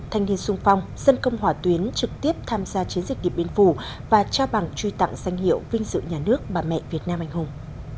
thanh niên sung phong dân công hỏa tuyến trực tiếp tham gia chiến dịch điện biên phủ và trao bằng truy tặng danh hiệu vinh dự nhà nước bà mẹ việt nam anh hùng